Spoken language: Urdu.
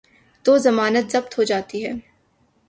تو ضمانت ضبط ہو جاتی ہے۔